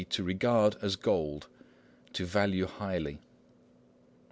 e._ to regard as gold, to value highly.